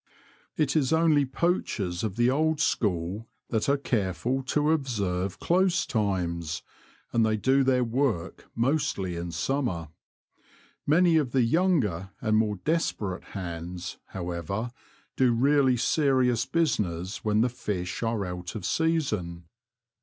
It is only poachers of the old school that are careful to observe close times, and they do their work mostly in summer. Many of the younger and more desperate hands, however, do really serious business when the fish are out of season.